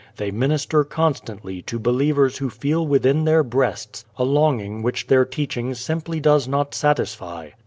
They minister constantly to believers who feel within their breasts a longing which their teaching simply does not satisfy.